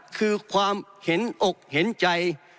คือความเห็นอกเห็นใจ